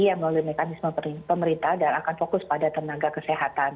yang melalui mekanisme pemerintah dan akan fokus pada tenaga kesehatan